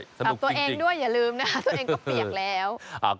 ฝากตัวเองด้วยอย่าลืมนะคะตัวเองก็เปียกแล้ว